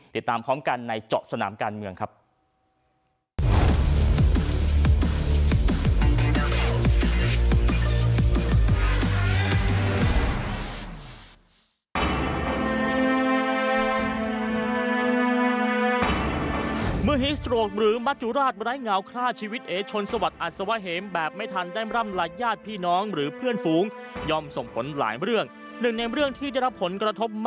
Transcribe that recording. ติดตามพร้อมกันในเจาะสนามการเมืองครับ